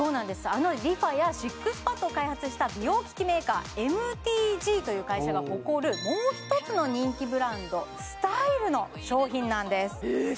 あのＲｅＦａやＳＩＸＰＡＤを開発した美容機器メーカーＭＴＧという会社が誇るもう一つの人気ブランドＳｔｙｌｅの商品なんですえっ